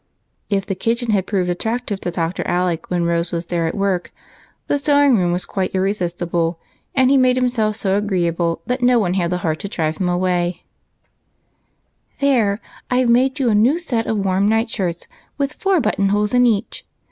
If the kitchen had proved attractive to Dr. Alec when Rose was there at work, the sewing room was quite irresistible, and he made himself so agreeable that no one had the heart to drive him away, especially when he read aloud or spun yarns. " There ! I 've made you a new set of warm night gowns with four button holes in each.